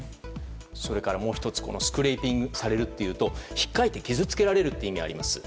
それから、もう１つスクレイピングされるというと引っかいて傷つけられるという意味があります。